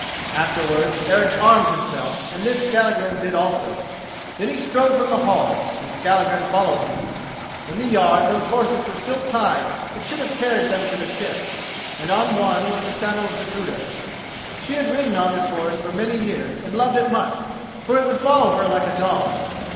Afterwards Eric armed himself, and this Skallagrim did also. Then he strode from the hall, and Skallagrim followed him. In the yard those horses were still tied that should have carried them to the ship, and on one was the saddle of Gudruda. She had ridden on this horse for many years, and loved it much, for it would follow her like a dog.